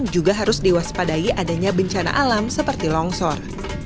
juga harus diwaspadai adanya bencana alam seperti longsor